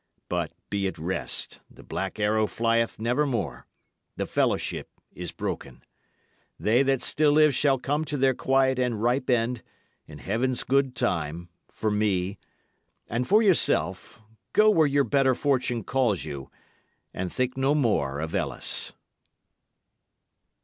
But be at rest; the Black Arrow flieth nevermore the fellowship is broken. They that still live shall come to their quiet and ripe end, in Heaven's good time, for me; and for yourself, go where your better fortune calls you, and think no more of Ellis."